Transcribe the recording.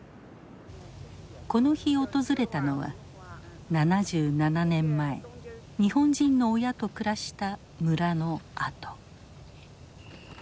この日訪れたのは７７年前日本人の親と暮らした村のあと。